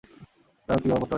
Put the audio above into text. জানো কী ব্যবহার করতে পারি?